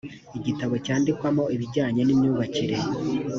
igitabo cyandikwamo ibijyanye n imyubakire